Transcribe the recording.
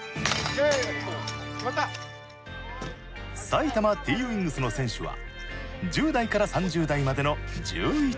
埼玉Ｔ．Ｗｉｎｇｓの選手は１０代から３０代までの１１人。